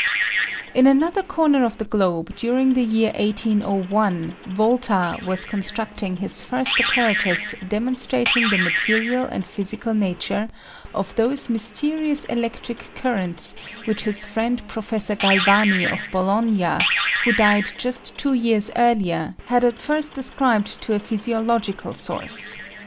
In another corner of the globe, during the year 1801, Volta was constructing his first apparatus demonstrating the material and physical nature of those mysterious electric currents which his friend Professor Galvani of Bologna, who died just two years earlier, had at first ascribed to a physiological source.